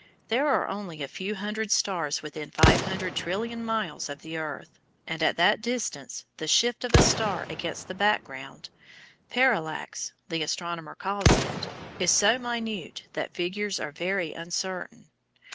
There are only a few hundred stars within five hundred trillion miles of the earth, and at that distance the "shift" of a star against the background (parallax, the astronomer calls it) is so minute that figures are very uncertain.